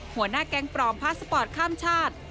หัวหน้าแก๊งปลอมพาสปอร์ตข้ามชาติ